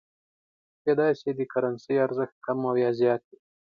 کېدای شي د کرنسۍ ارزښت کم او یا زیات وي.